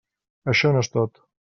Això no és tot.